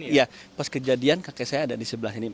iya pas kejadian kakek saya ada di sebelah sini